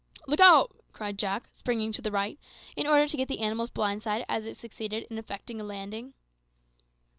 "Look out!" cried Jack, springing to the right, in order to get on the animal's blind side as it succeeded in effecting a landing.